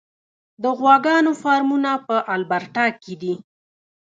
د غواګانو فارمونه په البرټا کې دي.